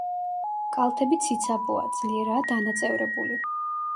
კალთები ციცაბოა, ძლიერაა დანაწევრებული.